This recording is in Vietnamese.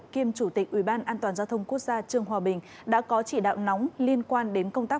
kiêm chủ tịch ủy ban an toàn giao thông quốc gia trương hòa bình đã có chỉ đạo nóng liên quan đến công tác